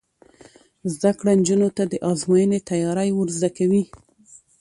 زده کړه نجونو ته د ازموینې تیاری ور زده کوي.